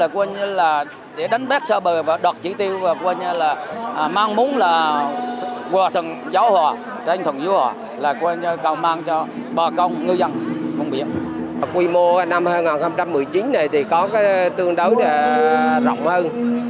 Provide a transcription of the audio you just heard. quy mô năm hai nghìn một mươi chín này thì có tương đối rộng hơn